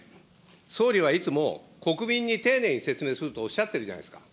総理はいつも国民に丁寧に説明するとおっしゃってるじゃないですか。